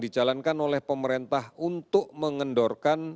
dijalankan oleh pemerintah untuk mengendorkan